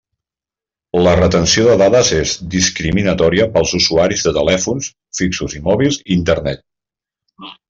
La retenció de dades és discriminatòria per als usuaris de telèfons, fixos i mòbils, i Internet.